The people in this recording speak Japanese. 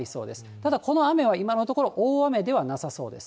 ただこの雨は今のところ、大雨ではなさそうです。